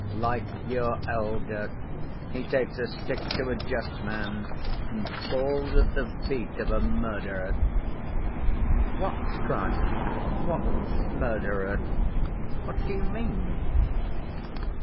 Like your elder, he takes a stick to a just man and falls at the feet of a murderer." "What crime? What murderer? What do you mean?"